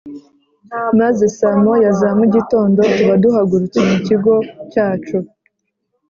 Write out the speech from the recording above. maze saa moya za mu gitondo tuba duhagurutse ku kigo cyacu